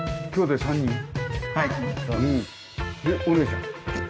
でお姉ちゃん？